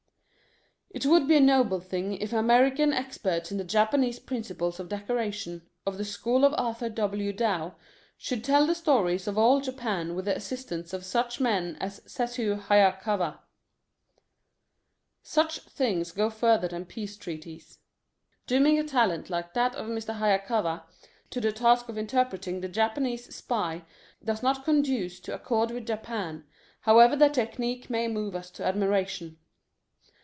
It would be a noble thing if American experts in the Japanese principles of decoration, of the school of Arthur W. Dow, should tell stories of old Japan with the assistance of such men as Sessue Hayakawa. Such things go further than peace treaties. Dooming a talent like that of Mr. Hayakawa to the task of interpreting the Japanese spy does not conduce to accord with Japan, however the technique may move us to admiration.